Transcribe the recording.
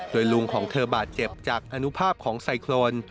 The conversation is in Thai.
โดยลุงของเธอบาดเจ็บจากอนุภาพของไซโครน